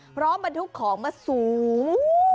พร้อมมาทุกของมาสูง